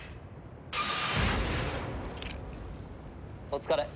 お疲れ。